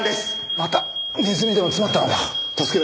またネズミでも詰まったのか？